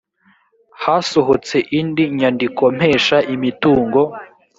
hasohotse indi nyandikompesha imitungo